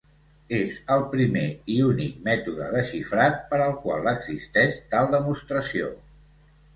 És el primer i únic mètode de xifrat per al qual existeix tal demostració.